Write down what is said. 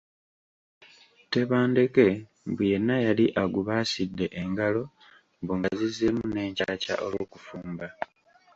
Tebandeke mbu yenna yali agubaasidde engalo mbu nga zizzeemu n’enkyakya olw’okufumba.